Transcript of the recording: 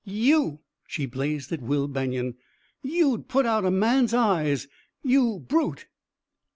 "You!" she blazed at Will Banion. "You'd put out a man's eyes! You brute!"